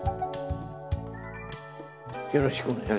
よろしくお願いします。